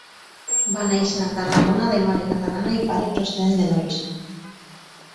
Va néixer a Tarragona de mare catalana i pare procedent de Nois.